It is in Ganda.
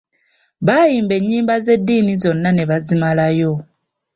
Baayimba ennyimba z'eddiini zonna ne bazimalayo.